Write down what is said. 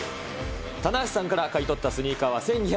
棚橋さんから買い取ったスニーカーは１２００円。